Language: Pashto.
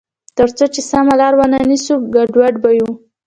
تر څو چې سمه لار ونه نیسو، ګډوډ به یو.